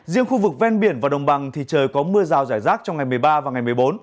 riêng khu vực ven biển và đồng bằng thì trời có mưa rào rải rác trong ngày một mươi ba và ngày một mươi bốn